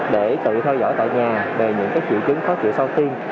để tự theo dõi tại nhà về những tiểu chứng khó chịu sau tiêm